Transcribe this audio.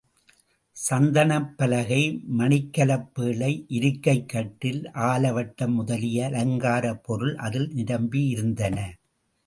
சந்தனப் பலகை, மணிக்கலப் பேழை இருக்கைக் கட்டில், ஆலவட்டம் முதலிய அலங்காரப் பொருள் அதில் நிரம்பியிருந்தன.